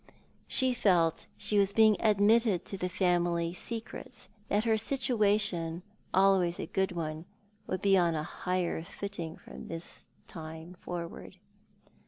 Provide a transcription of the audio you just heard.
She felt that she was being admitted to the family secrets, that her situation, always a good one, would be on a higher footing from this time forward.